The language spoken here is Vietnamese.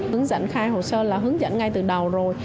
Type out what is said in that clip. hướng dẫn khai hồ sơ là hướng dẫn ngay từ đầu rồi